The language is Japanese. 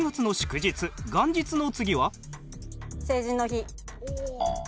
成人の日。